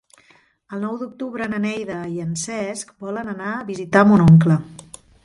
El nou d'octubre na Neida i en Cesc volen anar a visitar mon oncle.